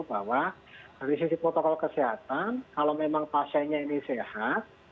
bahwa dari sisi protokol kesehatan kalau memang pasiennya ini sehat